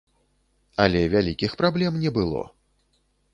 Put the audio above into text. Але вялікіх праблем не было.